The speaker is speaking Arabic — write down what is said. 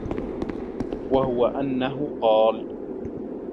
وَهُوَ أَنَّهُ قَالَ